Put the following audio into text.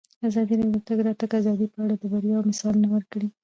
ازادي راډیو د د تګ راتګ ازادي په اړه د بریاوو مثالونه ورکړي.